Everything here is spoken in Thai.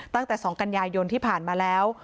ตั้งแต่๒กันยายนที่ผ่านมาแล้ว